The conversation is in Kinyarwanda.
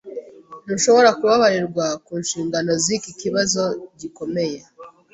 Ntushobora kubabarirwa ku nshingano ziki kibazo gikomeye.